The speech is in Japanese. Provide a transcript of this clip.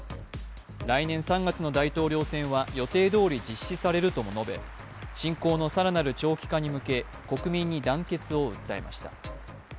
来年３月の大統領選は予定どおり実施されるとも述べ、侵攻のさらなる長期化に向け国民に団結を訴えました。